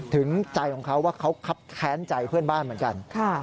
ถึงใจของเขาว่าเขาคับแค้นใจเพื่อนบ้านเหมือนกัน